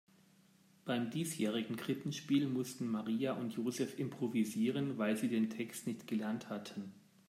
Beim diesjährigen Krippenspiel mussten Maria und Joseph improvisieren, weil sie den Text nicht gelernt hatten.